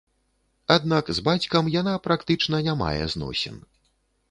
Аднак з бацькам яна практычна не мае зносін.